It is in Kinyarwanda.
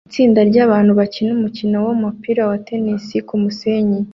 Itsinda ryabantu bakina umukino numupira wa tennis kumusenyi